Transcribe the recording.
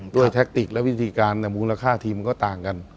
แท็กติกและวิธีการมูลค่าทีมก็ต่างกัน